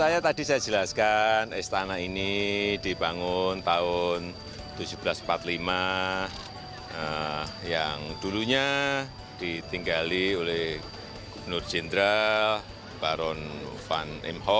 saya tadi saya jelaskan istana ini dibangun tahun seribu tujuh ratus empat puluh lima yang dulunya ditinggali oleh gubernur jenderal baron van m ho